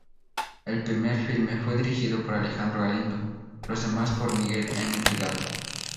El primer filme fue dirigido por Alejandro Galindo, los demás por Miguel M. Delgado.